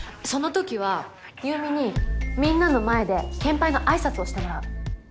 その時は優美にみんなの前で献杯のあいさつをしてもらう。